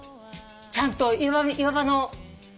ちゃんと岩場の穴に。